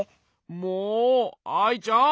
もうアイちゃん！